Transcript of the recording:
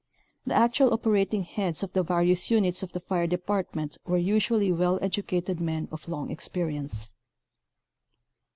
The actual operating heads of the various units of the fire department were usually well edu cated men of long experience.